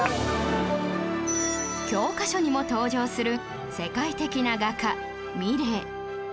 教科書にも登場する世界的な画家ミレー